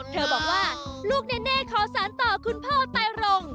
เธอบอกว่าลูกเนเน่ขอสารต่อคุณพ่อไปร่ง